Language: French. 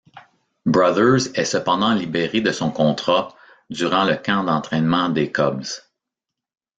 Brothers est cependant libéré de son contrat durant le camp d'entraînement des Cubs.